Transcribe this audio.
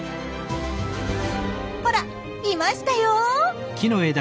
ほらいましたよ！